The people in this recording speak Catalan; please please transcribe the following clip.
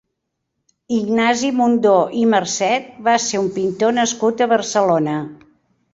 Ignasi Mundó i Marcet va ser un pintor nascut a Barcelona.